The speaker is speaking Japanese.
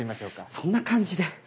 そんな感じで。